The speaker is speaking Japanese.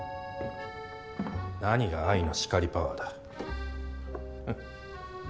何が『愛の叱りパワー』だ。